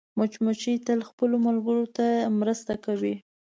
مچمچۍ تل خپلو ملګرو ته مرسته کوي